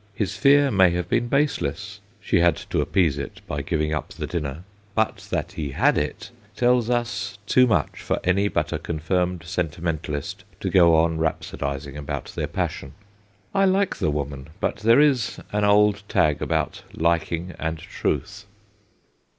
His fear may have been baseless she had to appease it by giving up the dinner but that he had it tells us too much for any but a confirmed sentimentalist to go on rhap sodising about their passion. I like the woman, but there is an old tag about liking and truth.